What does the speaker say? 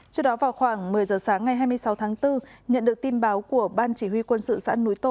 trước đó vào khoảng một mươi giờ sáng ngày hai mươi sáu tháng bốn nhận được tin báo của ban chỉ huy quân sự xã núi tô